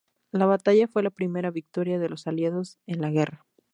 La batalla fue la primera victoria de los Aliados en la guerra.